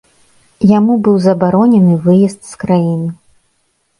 Яму быў забаронены выезд з краіны.